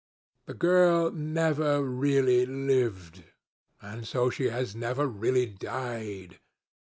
The girl never really lived, and so she has never really died.